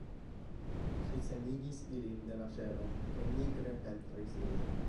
Ŝi senigis ilin de la ŝelo kaj nigre pentris ilin.